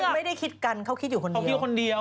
ไม่ได้คิดกันเขาคิดอยู่คนเดียว